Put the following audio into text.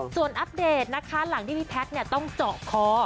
ส่วนอัปเดตนะคะหลังที่พี่แพทย์ต้องเจาะคอ